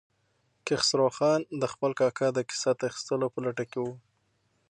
کیخسرو خان د خپل کاکا د کسات اخیستلو په لټه کې و.